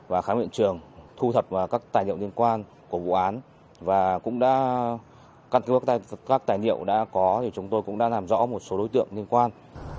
và khám nghiệm trường thu thập các tài liệu liên quan của vụ án và cũng đã căn cước các tài liệu đã có thì chúng tôi cũng đã làm rõ một số đối tượng liên quan